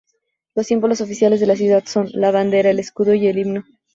Los símbolos oficiales de la ciudad son: la bandera, el escudo y el himno.